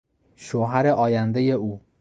شوهر آیندهی او